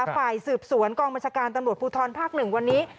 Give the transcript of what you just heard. ฝ่ายสืบสวนกองบัญชาการตำรวจภูทรภาค๑วันนี้